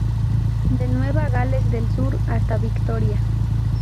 De Nueva Gales del Sur hasta Victoria.